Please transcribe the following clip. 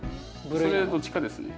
それどっちかですね。